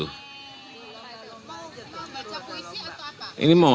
mau baca puisi atau apa